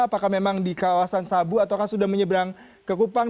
apakah memang di kawasan sabu atau sudah menyeberang ke kupang